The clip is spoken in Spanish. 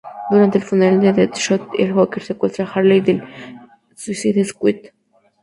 Durante el funeral de Deadshot el Joker secuestra a Harley del Suicide Squad.